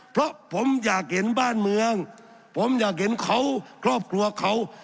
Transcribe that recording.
เพราะผมอยากเห็นบ้านเมืองผมอยากเห็นเขาครอบครัวเขา